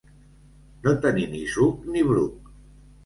No tenir ni suc ni bruc.